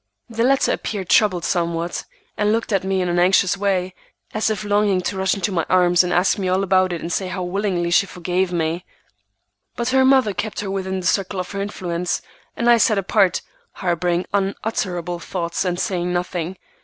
The latter appeared troubled somewhat, and looked at me in an anxious way, as if longing to rush into my arms and ask me all about it and say how willingly she forgave me; but her mother kept her within the circle of her influence, and I sat apart, harboring unutterable thoughts and saying nothing.